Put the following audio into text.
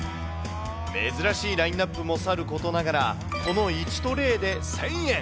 珍しいラインナップもさることながら、この１トレーで１０００円。